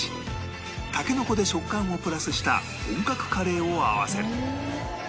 たけのこで食感をプラスした本格カレーを合わせ